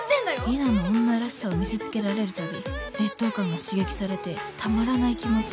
リナの女らしさを見せつけられる度劣等感が刺激されてたまらない気持ちになる。